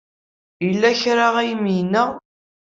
Yella kra ay am-yenna?